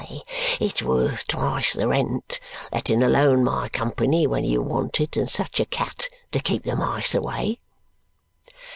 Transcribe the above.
It's worth twice the rent, letting alone my company when you want it and such a cat to keep the mice away."